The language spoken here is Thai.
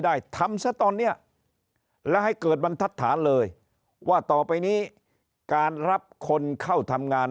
ได้ทำจะตอนเนี่ยหลายเกิดบันทัดฐานเลยว่าต่อไปนี้การรับคนเข้าทำงาน